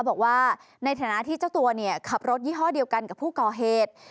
บอกว่าในฐานะที่เจ้าตัวขับรถยี่ห้อเดียวกันกับผู้ก่อเหตุ